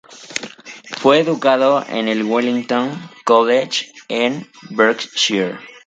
Fue educado en el Wellington College en Berkshire.